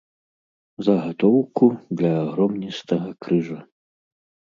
Загатоўку для агромністага крыжа.